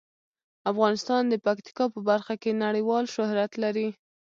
افغانستان د پکتیکا په برخه کې نړیوال شهرت لري.